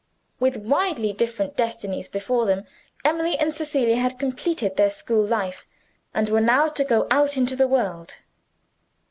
With widely different destinies before them, Emily and Cecilia had completed their school life, and were now to go out into the world.